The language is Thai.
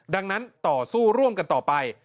ดังนั้นต่อสู้ร่วมกันต่อไป